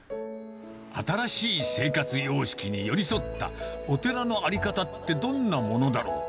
新しい生活様式に寄り添った、お寺の在り方ってどんなものだろう。